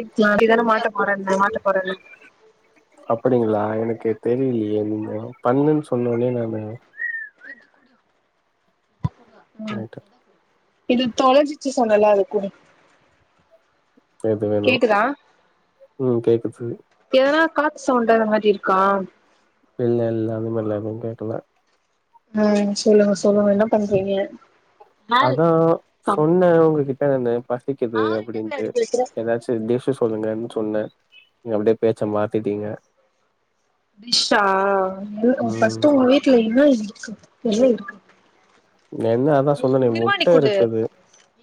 இக்லா நீ தான மாட்ட போறன்ன மாட்ட போறல் அப்படிங்களா எனக்கு தெரியிலியே நீ பண்ணுன்னு சொன்னோன்னே நாம லைட்டா இது தொலஞ்சுச்சு சொன்னலா அத குடு எது வேணு கேக்குதா ம் கேக்குது எதனா காத்து சவுண்டு அந்த மாரி இருக்கா இல்ல இல்ல அந்த மாரிலா எதுவு கேக்கல அ சொல்லுங்க சொல்லுங்க என்ன பண்றீங்க யாரு அதா கமல் சொன்னே உங்ககிட்டன்னு பசிக்குது அவர்கிட்ட போய் அப்டின்ட்டு அப்டி பேசுற எதாச்சு டிஷ்ஷு சொல்லுங்கன் சொன்ன நீ அப்டியே பேச்ச மாத்திட்டீங்க டிஷ்ஷா எ உ ம் ஃபஸ்ட்டு உங்க வீட்ல இன்னா இருக்கு என்ன இருக்கு என்ன அதா சொன்னனே திருவாணி முட்ட கூடு இருக்குது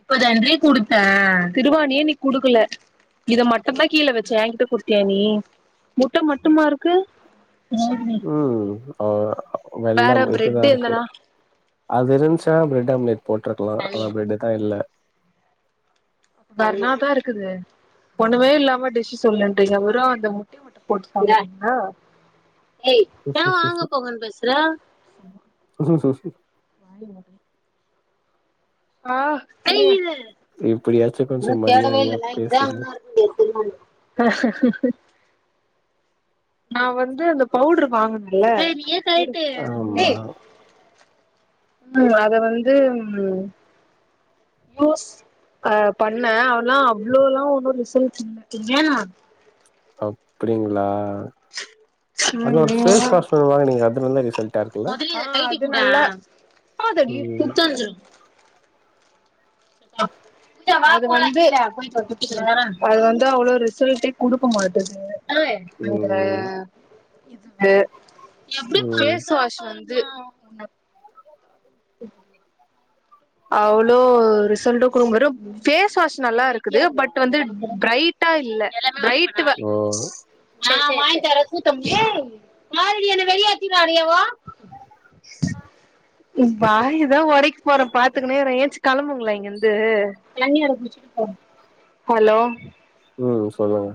இப்பதான்ன்றே குடுத்தேன் திருவாணியே குடுக்கல இத மட்டம்தான் கீழே வச்சே என்கிட்ட கொடுத்தியா நீ முட்டை மட்டுமா இருக்கு ம் ஆ வேற வெல்லம் பிரெட் இதுதா இருக்கு எந்தனா அது இருந்ச்சா பிரெட் ஆம்லெட் போட்டிருக்கலா ஆனா பிரெட்டுதா இல்ல வேற் என்னாதா இருக்குது ஒன்னுமே இல்லாம டிஷ்ஷு சொல்லுன்றீங்க வெறு அந்த முட்டய மட்டு போட்டு சமைக்றீங்ளா ஏய் நான் வாங்க போங்கன்னு பேசுற [unintelligible] ஆஹ் இப்டியாச்சு கொஞ்சோ மரியாதையா பேசுறீங்க [unintelligible] நா வந்து அந்த பவுட்ரு வாங்குனல ஆமா ம் அத வந்து ம் யோஸ் அ பண்ணே ஆனா அவ்ளோலா ஒன்னு ரிசல்ட் இல்ல அப்டிங்ளா ம் அதுல ஒரு ம் ஃபேஸ் வாஷு வாங்னீங்ளே அது நல்ல ரிசல்ட் ஆ அது நல்லா ம் அப் அது வந்து அது வந்து அவ்ளோ ரிசல்டே குடுக்க மாட்டுது ம் அந்த இது ம் பேஸ் வாஷ் இது அவ்ளோ ரிசல்டு குடுக்க வெரு ஃபேஸ் வாஷ் நல்லா இருக்குது பட் வந்து பிரைட் ! ! ஓ ! ! ! ! ! ! ! ! ஏ பாருடி என்னை வெளியேத்தினினாடிஅவோ உன் வாய தான் உடைக்க போறேன் பாத்து க்குனே இரன் ஏஞ்சி கிம்புங்களே இங்கிருந்து ஹலோ ம் சொல்லுங்க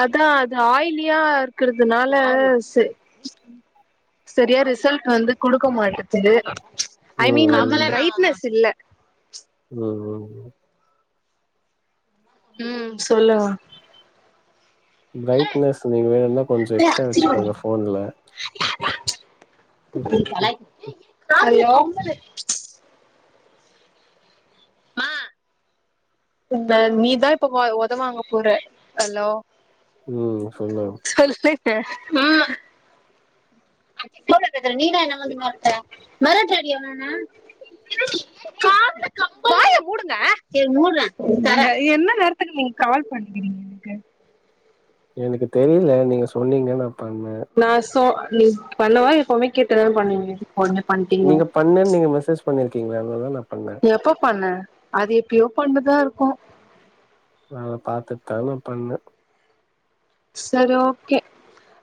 அதா அது ஆய்லியா இருக்குறதுனால செ செரியா ரிசல்ட் வந்து குடுக்க மாட்டுது ம் ஐமீன் வந்து ம் பிரைட்னஸ் இல்ல ம் ம் சொல்லுங்க பிரைட்னஸ் நீங்க இன்ன கொஞ்ச எக்ஸ்ட்ரா வச்சுக்கோங்க ஃபோன்ல ம் ம் ஹலோ இந்த நீதான் இப்ப ஒதவாங்க போற ஹலோ ம் சொல்லுங் உம் போன்ல பேசுர நீனா என்னா வந்து மேரட்ர மிரட்ராடி அவ என்ன காதுல கப்பல் வாய மூடுங்க சரி மூட்ரன் தரன் என்ன நேரதுக்குநீங்க கால் பண்ணுக்க நீங்க எனக்கு எனக்கு தெரிய்ல நீங்க சொன்னீங்க நா பண்ணே நா சோ நீ பண்ணவா எப்பவுமே கேட்டு தான பண்ணுவீங்க உடனே பண்ட்டீங்க நீங்க பண்ணேனு நீங்க மெசேஜ் பண்ணிருக்கீங்க அதுனால நா பண்ணே எப்ப பண்ணே அது எப்பையோ பண்ணதா இருக்கு நா அத பாத்துட்டு தா நா பண்ணே செரி ஓகே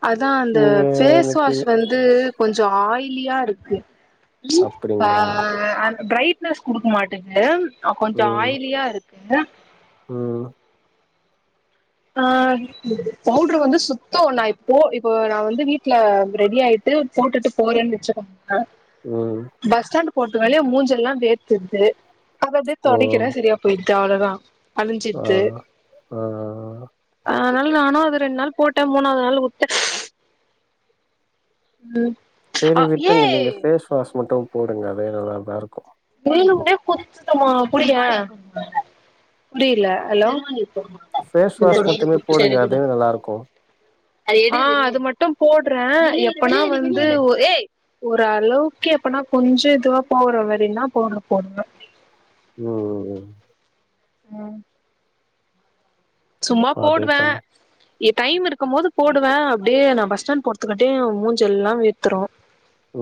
அதா அந்த நீங்க ஃபேஸ் எனக்கு வாஷ் வந்து கொஞ்சோ ஆயி யிலியா இருக்கு ஃப அப்டிங்களா அந்த ப்ரட்னஸ் குடுக்க மாட்டேங்குது ஆ கொஞ்ச ஆயிலியா இருக்கு ம் ம் ஆ பவுட்ரு வந்து சுத்தோ நா இப்போ இப்ப நா வந்து வீட்ல ரெடி ஆயி ட்டு போட்டுட்டு போறேன்னு வச்சுக்க அ ம் பஸ் ஸ்டாண்ட் போறதுக்கு வழிய மூஞ்செல்லா வேர்த்துருது அத அப்டியே ஓ தொடக்கிறே சரியா போய்டுது அவ்ளோதா ஆ அழிஞ்சிடுது ஆ ஆ அதனால நானு அத ரெண்டு நாள் போட்டே மூணாவது நாள் வுட்டே ம் செரி விட்ருங்க நீங்க பேஸ் வாஷ் மட்டு போடுங்க அதே நல்லாதா இருக்கும் வேனும்னே குத்துமா புடியே புரியல ஹலோ ஃபேஸ் வாஷ் மட்டுமே போடுங்க அதே நல்லா இருக்கு அது மட்டு போடு றே எப்பனா வந்து ம் ஒரு ஒரு அளவுக்கே எப்புன்னா கொஞ்ச இதுவா போகுற மாரினா பௌவ்டர் போடுவே ம் ம் ம் ம் சும்மா அதே போடுவே பண்ணு ஏ டைம் இருக்கும் போது போடுவே அப்டியே நா பஸ் ஸ்டாண்ட் போறத்துக்காட்டியு மூஞ்செல்லா வேர்த்துறு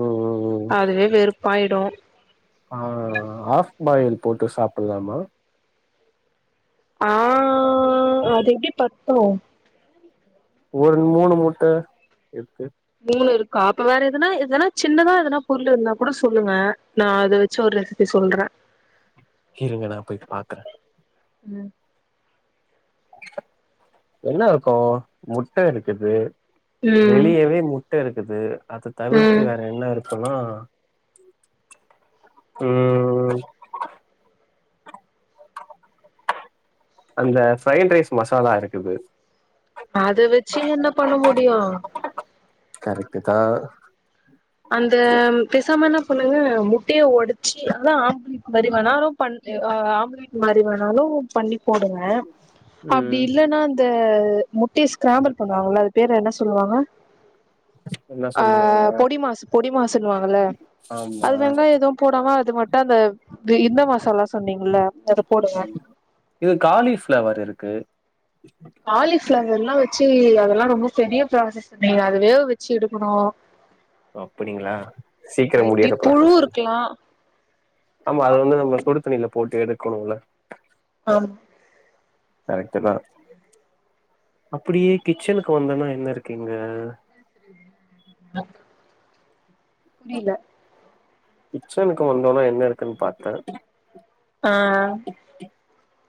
ம் ம் ம் அதுவே வெறுப்பாயிடு ஆ ஆஃப் ஃபாயில் போட்டு சாப்டலாமா ஆ அது எப்டி பத்து ஒரு மூணு முட்ட இருக்கு மூணு இருக்கா அப்ப வேற எதுனா எதுனா சின்னதா எதுனா பொருள் இருந்தா கூட சொல்லுங்க நா அத வச்சு ஒரு ரெசிப்பி சொல்றே இருங்க நா போய்ட்டு பாக்றே ம் என்ன இருக்கு முட்ட இருக்குது ம் வெளியவே முட்ட இருக்குது அத தவிர்த்து ம் வேற என்ன இருக் ருக்குனா ம் ம் அந்த ஃப்ரைட் ரைஸ் மசாலா இருக்குது அத வச்சு என்ன பண்ண முடியு கரெக்ட்டுதா அந்த பேசாம என்ன பண்ணுங்க முட்டைய ஒடச்சு அதா ஆம்ளேட் மாரி வேணாலு பண் ஆ ஆம்லேட் மாரி வேணாலு பண்ணி போடுங்க அப்டி ம் இல்லன்னா இந்த த முட்டைய ஸ்கிராம்பல் பண்ணுவாங்கல்ல அது பேரு என்ன சொல்லுவாங்க என்ன ஆ சொல்லுவாங்க பொடி மாஸ் பொடி மாஸ்ன்னுவாங்கல ஆமா அது வெங்காயோ எதுவு போடாம அது மட்டு அந்த இது இந்த மசாலா சொன்னீங்க இது காலிஃப்ளவர் இருக்கு காலிப்ளவர்லா வச்சு அதெல்லா ரொம்ப பெரிய ப்ராசஸ் நீங்க அது வேக வச்சு எடுக்கணு ஓ அப்டிங்களா சீக்கரோ மைட் பி முடியுற புழு ப்ராசஸ் இல்ல இருக்கலா ஆமா அது வந்து நம்ம சுடு தண்ணில போட்டு எடுக்கணுல ஆம் கரெக்ட்டுதா அப்டியே கிச்சனுக்கு வந்தனா என்ன இருக்கு இங்க ஹ புரீல கிச்சன்கு வந்தோனே என்ன இருக்குன் பாத்தே ஆ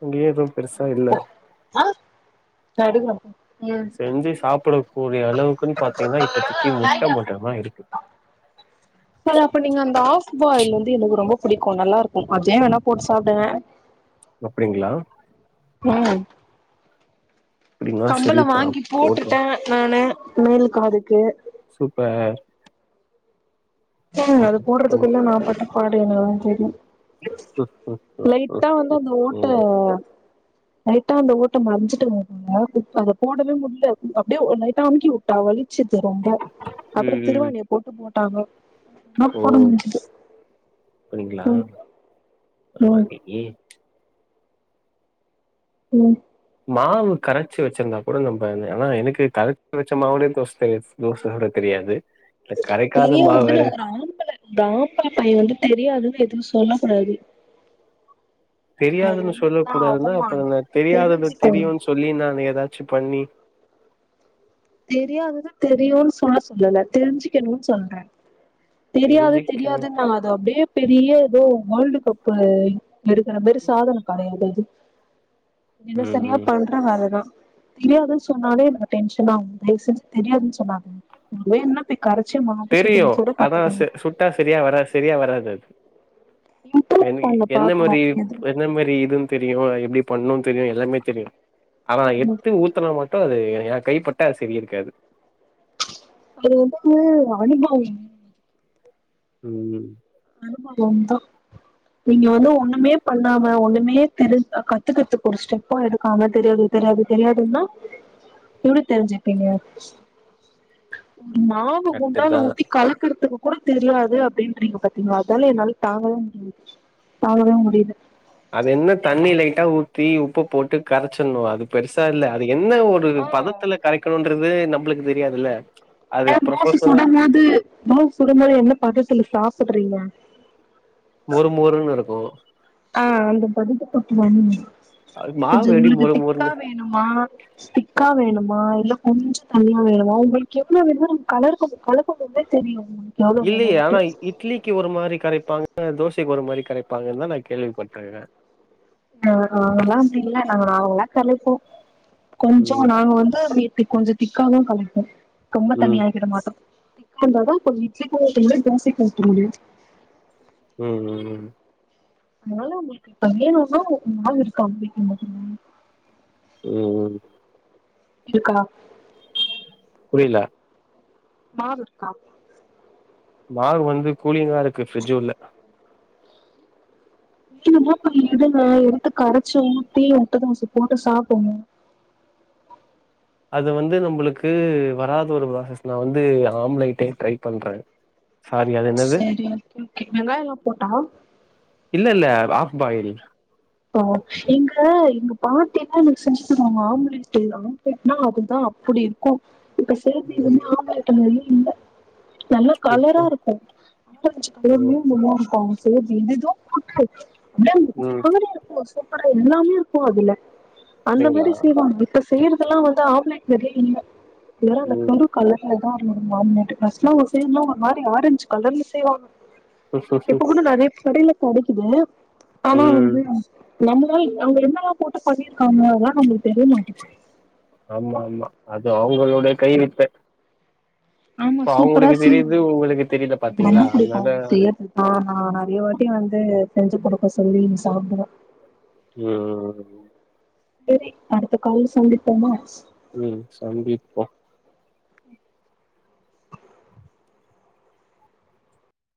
இங்கேதும் [unintelligible] செஞ்சு சாப்புடு கூடிய அளவுக்குனு பாத்தீங்னா இப்பத்திக்கி முட்ட ம் மட்டுந்தா இருக்கு ஃப் பாயில் வந்து எனக்கு ரொம்ப புடிக்கூ நல்லாருக்கூ அதே வேணா போட்டு சாப்டுங்க அப்டிங்ளா ம் அப்படின்னா கம்பல சரி தான் வாங்கி போட்டுட்டே போட்டுரும் நானு மேல் காதுக்கு சூப்பர் போங்க அது அப்புறம் போட்றதுக்குள்ள நா பட்ட பாடு எனக்குதா தெரியு ம், ம், ம், லைட்டா வந்து ம். அந்த ஓட்ட ம் லைட்டா அந்த ஓட்ட மறைஞ்சிட்டு [inaudible] இப்ப அத போடவே முடில அப்டியே லைட்டா அமுக்கிவுட்டா வலி ச்சுது ரொம்போ அப்றோ ம். திருவாணிய போட்டு போட்டாங்க னா போட முடிஞ்சுது போனிங்ளா ம் அ ம் அன்னிக்கி ம் மாவு கரைச்சி வச்சிந்தா கூட நம்ப ஆனால எனக்கு கரைச்சி வச்ச மாவுலே தோச தெ தோச சுட தெரியாது இல்ல கரைக்காத மாவு தெரியாதுனு வேற ஒரு ஆம்பள டாக்டர் பைய வந்து தெரியாதுனு எதுவு ஸ் சொல்ல கூடாது தெரியாதுனு சொல்ல கூடாதுனா அப்றோ நா தெரியாதத தெரிஞ்சுக்கோங்க தெரியூன் சொல்லி நா அத எதாச்சு பண்ணி தெரியாதத தெரியூன் சொல்ல சொல்லல தெரிஞ்சுக்கணூன் சொல்ற தெரியாது தெரிஞ்சுக்கணு தெரியாதுன்னா அது அப்டியே பெரிய எதோ வேல்டு கப்பு எடுக்குற மாரி சாதன கெடையாது அது இதுல ம் சரியா ம் பண்ற வேலதா தெரியாதுன் சொன்னாலே எனக்கு டென்ஷன் ஆவுது தய்வ்செஞ் தெரியாதுன் சொன்னாதீங் உங்குளுக் வேணுனா போய் கரைச்ச மாவ சுடுன் சுட க ஆ ச சுட்டா சரியா வரா சரியா வராது அது இம்ப்ரூவ் ரெமி பண்ண என்ன பாக்கணு மாரிப் எது என்ன மாரி இதுன் தெரியூ அ எப்டி பண்ணூன் தெரியு எல்லாமே தெரியு ஆனா எத்து ஊத்தனா மட்டு அது ஏ கைப்பட்டா அது சரி இருக்காது அது வந்து அனுபவோ வேணூ ம் அனுபவந்தா நீங்க வந்து ஒன்னுமே பண்ணாம ஒன்னுமே தெரிஞ் அ கத்துக்கற்துக்கு ஒரு ஸ்டெப்போ எடுக்காம தெரியாது தெரியாது தெரியாதுன்னா எப்டி தெரிஞ்சுப்பீங்க மாவு கரெக்ட்டு குண்டால தா ஊத்தி கலக்குறதுக்கு கூட தெரியாது அப்டின்றீங்க பாத் தீங்ளா அதால என்னால தாங்கவே முடியில தாங்கவே முடியில தி உப்பு போட்டு கரைச்சிண்ணுவே அது பெருசா இல்ல அது என்ன ஒரு ஓ பதத்துல கரைக்குணுன்றது உங்ளுக்கு தெரியாதில்ல ஏ தோச சுடும்போது தோச சுடும்போது என்ன பதத்துல சாப்புட்றீங்க மொறு மொறுனுருக்கூ ஆ அந்த பதத்த [unintelligible] அது கொஞ்சொ மாவு எப்டி உங்குளுக்கு மொறு திக்கா மொறுன்னு வேணுமா திக்கா வேணு மா இல்ல கொஞ்சொ தண்ணியா வேணுமா உங்குளுக்கு எவ்ளோ வேணுமோ நம் கலறுக்கும் கலக்கும்போதே தெரியு உங்களுக்கு எவ்ளோ இல்லியே வேணும்ட்டு ஆனா இ இட்லிக்கு ஒரு மாரி கரைப்பாங் க தோசைக்கு ஒரு மாரி கரைப்பாங்கன்தா நா கேள்விப்பட்டுருகுறே ஆ நாங்கல்லா அப்டி இல்ல நாங்க நல்லா கரிப்போ கொஞ்சொ ம் நாங்க வந்து வீ கொஞ்சொ திக்காவு கரிப்போ ரொம்ப ம் தண்ணியா ஆக்கிட மாட்டோ திக்கா இருந்தாதா கொஞ்சொ இட்லி ஊத்த முடியு தோசைக்கு ஊத்த முடியு ம் ம் ம் அதுனால உங்குளுக்கு அகெய்ன் ஒரு நாள் நாள் இருக்கா உங்களுக்கு ம் ம் இருக்கலா புரியல மாவு இருக்கா மாவு வந்து கூலிங்கா இருக்கு ஃப்ரிட்ஜு உள்ள [unintelligible] இப்ப எதுங்க எடுத்து கரைச்சோ தீ முட்ட தோச போட்டு சாப்டுனு அது வந்து நம்மளுக்கு வராத ஒரு ப்ராசஸ் நா வந்து ஆம்லைட்டே ட்ரை பண்ற சரி ஓகே வெங்காயலா போட்டா இல்ல இல்ல ஆஃப் பாயில் ஆ எங்க எங்க பாட்டிலா எனக்கு செஞ்சி தருவாங்க ஆம்லேட்டு ஆம்ப்லேட்னா அதுதா அப்புடி இருக்கு இப்ப ம். [inaudible] ஆம்லட்ட மாரி நல்ல எப்போ கலரா இருக்கு முட்ட வச்சி [inaudible] ம் நூல் நூலா இருக்கு [inaudible] எதேதோ போட்டு அப்படியே [inaudible] ம் மாதிரியே இருக்கு சூப்பரா எல்லாமே இருக்கு அதுல அந்த அப்டிங்களா மாரி செய்வாங்க இப்ப செய்யறதுலா வந்து ஆம்லெட் மாரியே இல்ல [unintelligible] அந்த ம் கரு கலர்லதா ஆம்னேட் ஃபஸ்ட்லா ஒரு செய்லா ஒரு மாரி ஆரஞ்ச் கலர்ல செய்வாங்க இப்ப கூட நெறைய கடையில கெடைக்குது ஆனா ம் வந்து நம்மலே அவங்க என்னெல்லா போட்டு பண்ணிருக்காங்க அதல்லா நம்மளுக்கு தெரிய மாட்டேது ஆமா ஆமா அது அவுங்களுடைய கைவித்த ஆமா சூப்பரா சீ உங்களுக்கு தெரியல [inaudible] பண்ண பாத்தீங்களா புடிக்கு அதனால செய்யதுதா ஆ ஆ நெறைய வா ட்டி வந்து செஞ்சு குடுக்க சொல்லி நீ சாப்புற ம் சரி அடுத்த கால்ல சந்திப்போமா ம் சந்திப்போ